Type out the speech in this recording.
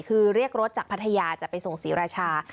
คือเรียกรถจากพัทยาจะไปส่งศรีราชา